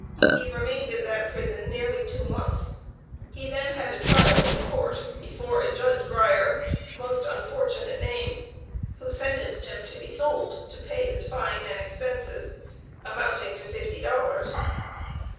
He remained in that prison nearly two months. He then had a trial in court before a Judge Grier (most unfortunate name), who sentenced him to be sold to pay his fine and expenses, amounting to fifty dollars.